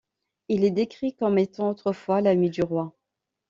Il est décrit comme étant autrefois l’ami du roi.